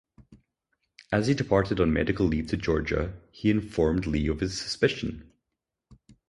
As he departed on medical leave to Georgia, he informed Lee of his suspicion.